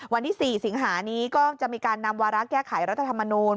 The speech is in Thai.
วันที่๔สิงหานี้ก็จะมีการนำวาระแก้ไขรัฐธรรมนูล